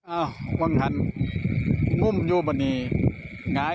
รถลากก็จะลากขึ้นเลยครับ